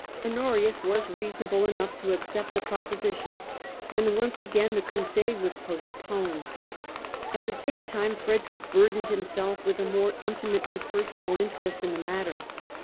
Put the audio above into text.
Honorius was reasonable enough to accept the proposition and once again the Crusade was postponed. At the same time Frederick burdened himself with a more intimately personal interest in the matter.